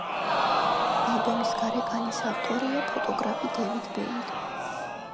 ალბომის გარეკანის ავტორია ფოტოგრაფი დევიდ ბეილი.